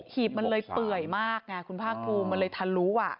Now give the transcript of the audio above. ีบมันเลยเปื่อยมากไงคุณภาคภูมิมันเลยทะลุอ่ะ